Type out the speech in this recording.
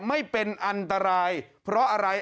ไม่เป็นอันตรายเพราะอะไร